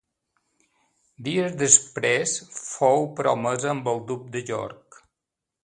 Dies després fou promesa amb el duc de York.